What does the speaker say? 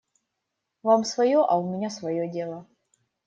Вам свое, а у меня свое дело.